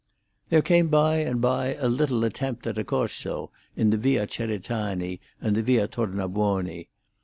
There came by and by a little attempt at a corso in Via Cerratani and Via Tornabuoni.